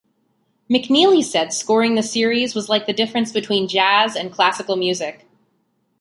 McNeely said scoring the series was like the difference between jazz and classical music.